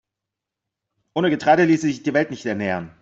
Ohne Getreide ließe sich die Welt nicht ernähren.